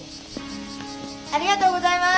ありがとうございます！